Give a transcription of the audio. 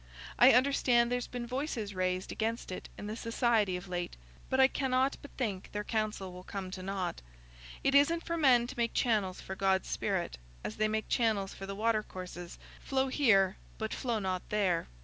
I understand there's been voices raised against it in the Society of late, but I cannot but think their counsel will come to nought. It isn't for men to make channels for God's Spirit, as they make channels for the watercourses, and say, 'Flow here, but flow not there.